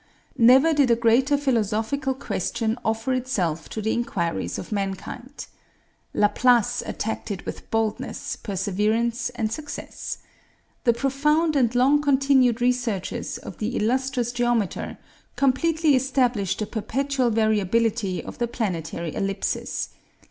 Never did a greater philosophical question offer itself to the inquiries of mankind. Laplace attacked it with boldness, perseverance, and success. The profound and long continued researches of the illustrious geometer completely established the perpetual variability of the planetary ellipses.